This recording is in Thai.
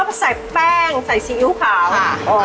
ก็ใส่แป้งใส่ซีอิ๊วขาวอะ